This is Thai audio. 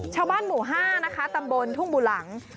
ชาวบ้านหมู่๕นะคะตำบลทุ่งบู่หลัง